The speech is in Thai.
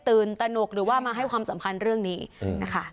ตนกหรือว่ามาให้ความสำคัญเรื่องนี้นะคะ